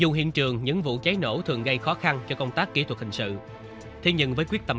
dù hiện trường những vụ cháy nổ thường gây khó khăn cho công tác kỹ thuật hình sự thế nhưng với quyết tâm